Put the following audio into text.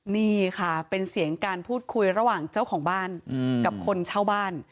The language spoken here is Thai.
นี่ค่ะเป็นเสียงการพูดคุยระหว่างเจ้าของบ้านกับคนเช่าบ้าน